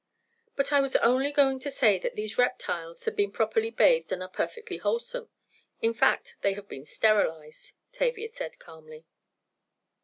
"But I was only going to say that these reptiles had been properly bathed and are perfectly wholesome. In fact they have been sterilized," Tavia said, calmly.